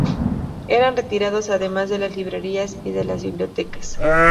Eran retirados además de las librerías y de las bibliotecas.